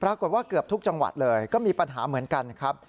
เกือบทุกจังหวัดเลยก็มีปัญหาเหมือนกันครับ